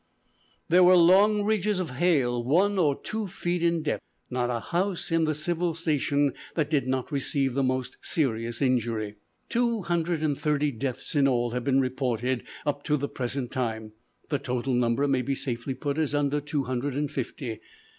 There were long ridges of hail one or two feet in depth. Not a house in the civil station that did not receive the most serious injury. "Two hundred and thirty deaths in all have been reported up to the present time. The total number may be safely put as under two hundred and fifty.